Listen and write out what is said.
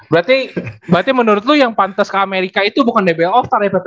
berarti berarti menurut lu yang pantes ke amerika itu bukan dbl all star ya ppop ya